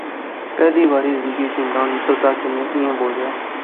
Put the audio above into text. پہلی واری زندگیچ عمران نصرتا کنے ایہھاں بولیا